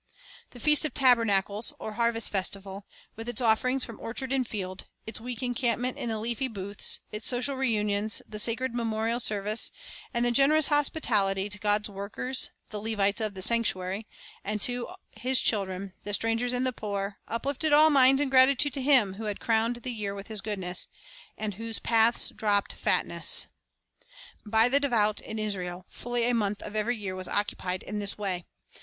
The Feast of Tabernacles, or harvest festival, with its offerings from orchard and field, its week's encamp ment in the leafy booths, its social reunions, the sacred The Education of Israel 43 memorial service, and the generous hospitality to God's workers, the Levites of the sanctuary, and to His chil dren, the strangers and the poor, uplifted all minds in gratitude to Him who had "crowned the year with His goodness," and whose "paths dropped fatness." By the devout in Israel, fully a month of every year was occupied in this way.